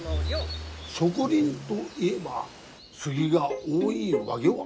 植林どいえばスギが多いわげは？